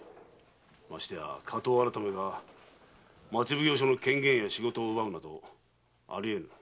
ましてや火盗改が町奉行所の権限や仕事を奪うなどありえん。